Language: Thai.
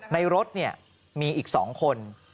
ในรถมีอีก๒คน